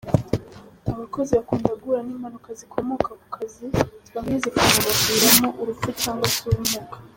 Abakozi bakunda guhura n’impanuka zikomoka ku kazi, bamwe zikabanaviramo urupfu cyangwa se ubumuga.